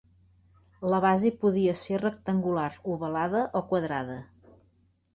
La base podia ser rectangular, ovalada o quadrada.